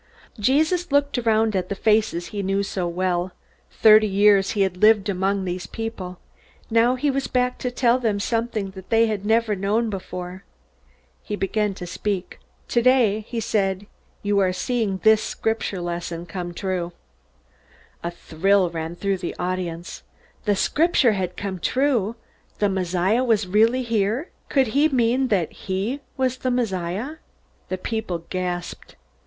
Jesus looked around at the faces he knew so well. Thirty years he had lived among these people. Now he was back to tell them something that they had never known before. He began to speak. "Today," he said, "you are seeing this Scripture lesson come true." A thrill ran through the audience. The Scripture had come true? The Messiah was really here? Could he mean that he was the Messiah? The people gasped.